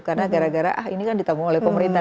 karena gara gara ah ini kan ditanggung oleh pemerintah